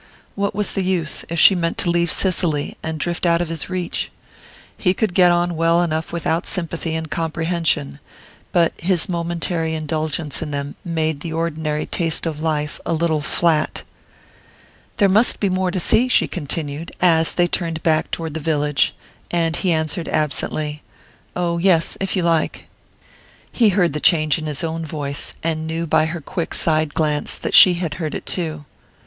What was the use, if she meant to leave Cicely, and drift out of his reach? He could get on well enough without sympathy and comprehension, but his momentary indulgence in them made the ordinary taste of life a little flat. "There must be more to see?" she continued, as they turned back toward the village; and he answered absently: "Oh, yes if you like." He heard the change in his own voice, and knew by her quick side glance that she had heard it too.